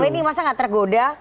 bang bening masa tidak tergoda